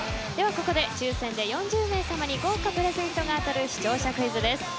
ここで抽選で４０名さまに豪華プレゼントが当たる視聴者クイズです。